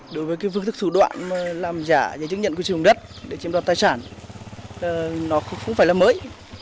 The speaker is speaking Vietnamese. đối với phương thức thủ đoạn làm giả giấy chứng nhận quyền sử dụng đất để chiếm đoạt tài sản nó không phải là mới